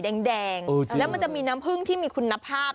แดงแล้วมันจะมีน้ำผึ้งที่มีคุณภาพ